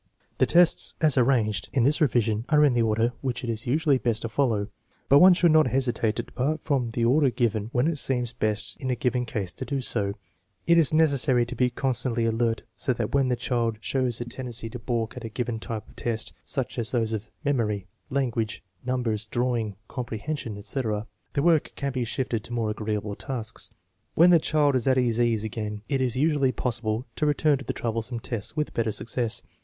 The tests as arranged in this revision are in the order which it is usually best to follow, but one should not hesi tate to depart from the order given when it seems best in a given case to do so. It is necessary to be constantly alert so that when the child shows a tendency to balk at a given type of test, such as those of memory, language, numbers, drawing, " comprehension," etc., the work can be shifted to more agreeable tasks. When the child is at his ease again, it is usually possible to return to the troublesome tests with better success.